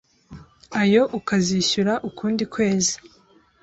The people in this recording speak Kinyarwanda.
Ayo ukazishyura ukundi kwezi